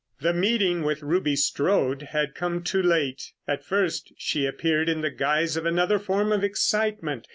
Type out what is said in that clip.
The meeting with Ruby Strode had come too late. At first she appeared in the guise of another form of excitement.